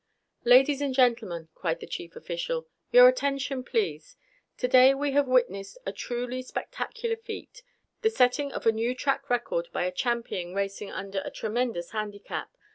"Ladies and gentlemen!" cried the chief official. "Your attention, please! Today we have witnessed a truly spectacular feat: the setting of a new track record by a champion racing under a tremendous handicap.